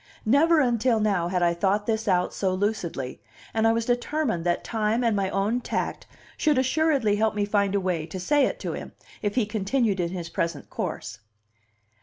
Never until now had I thought this out so lucidly, and I was determined that time and my own tact should assuredly help me find a way to say it to him, if he continued in his present course.